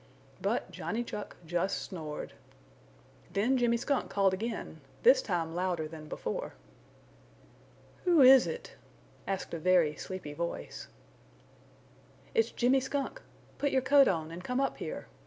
But Johnny Chuck just snored. Then Jimmy Skunk called again, this time louder than before. "Who is it?" asked a very sleepy voice. "It's Jimmy Skunk. Put your coat on and come up here!"